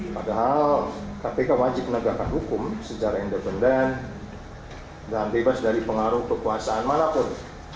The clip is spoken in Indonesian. padahal kpk wajib menegakkan hukum secara independen dan bebas dari pengaruh kekuasaan manapun